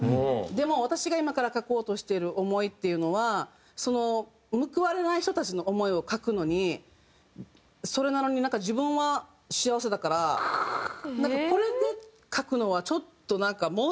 でも私が今から書こうとしてる思いっていうのは報われない人たちの思いを書くのにそれなのになんか自分は幸せだからなんかこれで書くのはちょっと申し訳ないっていうか。